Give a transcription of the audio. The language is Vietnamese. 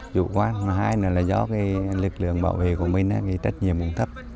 chủ quán hai nữa là do lực lượng bảo vệ của mình trách nhiệm mùng thấp